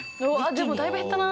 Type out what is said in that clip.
でもだいぶ減ったな。